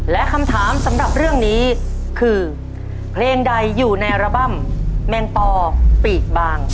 และคำถามสำหรับเรื่องนี้คือเพลงใดอยู่ในอัลบั้มแมงปอปีกบาง